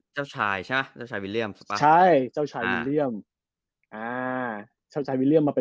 เจ้าชายใช่มะเจ้าชายวิลเลี่ยม